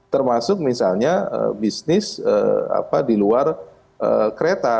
termasuk misalnya bisnis di luar kereta